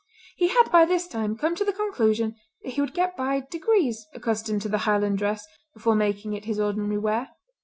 He had by this time come to the conclusion that he would get by degrees accustomed to the Highland dress before making it his ordinary wear.